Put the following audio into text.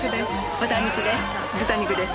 豚肉です。